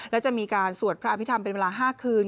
และจะมีการสวดพระอภิษฐรรมเป็นเวลา๕คืน